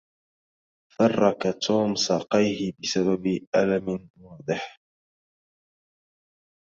فرّكَ توم ساقَيه بسبب ألم واضح.